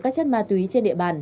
các chất ma túy trên địa bàn